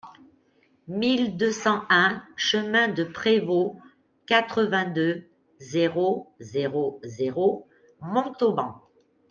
mille deux cent un chemin de Prévost, quatre-vingt-deux, zéro zéro zéro, Montauban